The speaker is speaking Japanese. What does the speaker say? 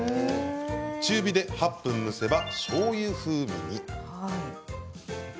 中火で８分、蒸せばしょうゆ風味に。